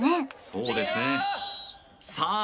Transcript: そうですねさあ